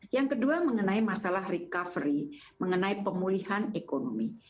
yang kedua mengenai masalah recovery mengenai pemulihan ekonomi